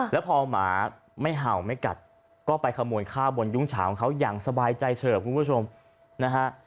แล้วพอหมาไม่เห่าไม่กัดก็ไปขโมยข้าวบนยุ้งฉาของเขาอย่างสบายใจเฉิบคุณผู้ชมนะฮะ